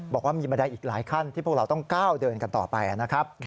บอกว่ามีบันไดอีกหลายขั้นที่พวกเราต้องก้าวเดินกันต่อไปนะครับ